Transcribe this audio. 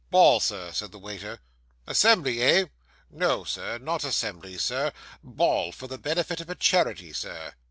'Ball, Sir,' said the waiter. 'Assembly, eh?' 'No, Sir, not assembly, Sir. Ball for the benefit of a charity, Sir.